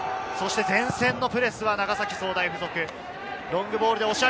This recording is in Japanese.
前線のプレスは長崎総大附属。